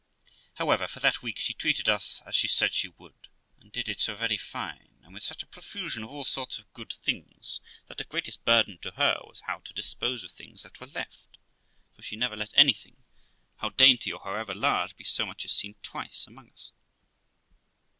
However, for that week she treated us as she said she would, and did it so very fine, and with such a profusion of all sorts of good things, that the greatest burthen to her was how to dispose of things that were left ; for she never let anything, how dainty or however large, be so much as seen twice among us.